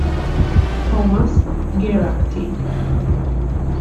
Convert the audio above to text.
Thomas Geraghty